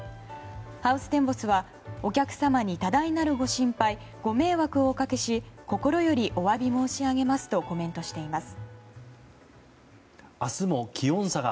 ハウステンボスはお客様に多大なるご心配ご迷惑をおかけし心よりお詫び申し上げますとコメントしています。